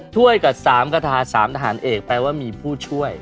ถ้วยกับ๓กระทา๓ทหารเอกแปลว่ามีผู้ช่วย